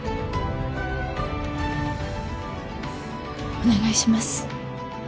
お願いします。